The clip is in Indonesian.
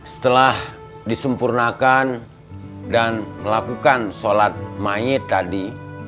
setelah disempurnakan dan melakukan sholat mayat tadi